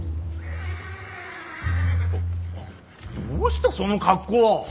どうしたその格好は。